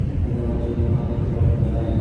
কুমুদের চোখে মতি চোখ মেলায়।